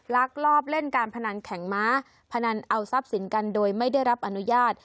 ลักลอบเล่นการพนันแข่งม้าพนันเอาทรัพย์สินกันโดยไม่ได้รับอนุญาต